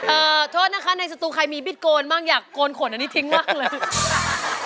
โทษนะคะในสตูใครมีบิดโกนบ้างอยากโกนขนอันนี้ทิ้งมากเลย